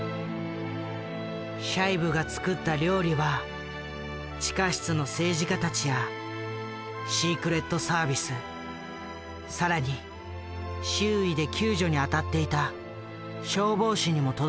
シャイブが作った料理は地下室の政治家たちやシークレットサービス更に周囲で救助にあたっていた消防士にも届けられたという。